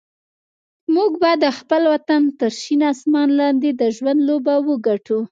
موږ به د خپل وطن تر شین اسمان لاندې د ژوند لوبه وګټو.